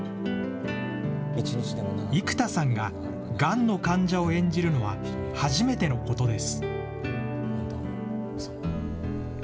生田さんが、がんの患者を演じるのは、初めてのことです。